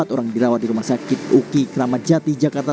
empat orang dirawat di rumah sakit uki kramat jati jakarta